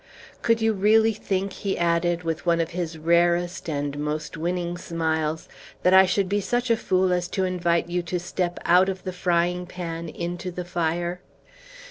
"Could you really think," he added, with one of his rarest and most winning smiles, "that I should be such a fool as to invite you to step out of the frying pan into the fire?"